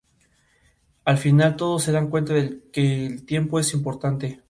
Al final todos se dan cuenta de que el tiempo es importante.